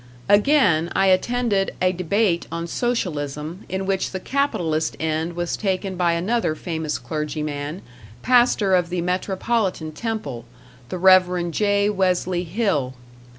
Again, I attended a debate on Socialism, in which the capitalist end was taken by another famous clergyman, pastor of the Metropolitan Temple, the Rev. J. Wesley Hill.